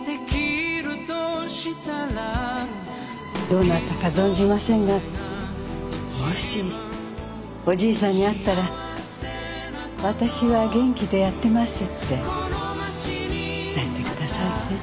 どなたか存じませんがもしおじいさんに会ったら「私は元気でやってます」って伝えてくださいね。